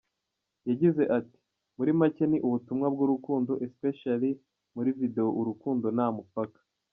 Yagize ati “Muri macye ni ubutumwa bw’urukundo especially muri video urukundo nta mupaka.